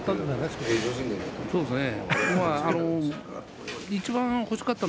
そうですね。